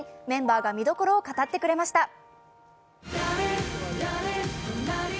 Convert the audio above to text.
メンバーが見どころを語ってくれました。